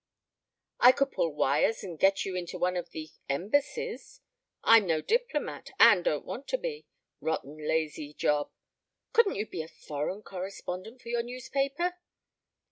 "I could pull wires and get you into one of the embassies " "I'm no diplomat, and don't want to be. Rotten lazy job." "Couldn't you be foreign correspondent for your newspaper?"